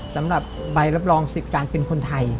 สำหรับใบรับรองสิทธิ์การเป็นคนไทย